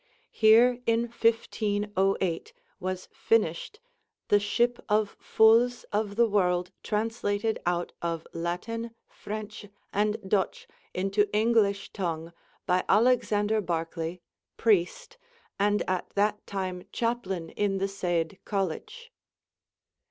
Here in 1508 was finished 'The Shyp of Folys of the Worlde translated out of Laten, Frenche, and Doche into Englysshe tonge by Alexander Barclay, Preste, and at that time chaplen in the sayd College.'